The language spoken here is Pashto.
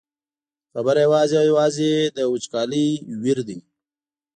خبره یوازې او یوازې د وچکالۍ ویر دی.